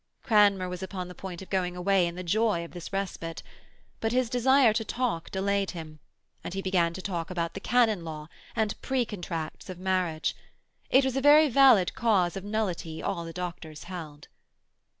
Cranmer was upon the point of going away in the joy of this respite. But his desire to talk delayed him, and he began to talk about the canon law and pre contracts of marriage. It was a very valid cause of nullity all the doctors held.